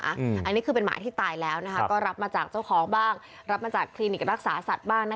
อันนี้คือเป็นหมาที่ตายแล้วก็รับมาจากเจ้าของบ้างรับมาจากคลินิกรักษาสัตว์บ้าง